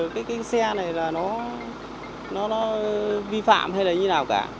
cái xe này là nó vi phạm hay là như nào cả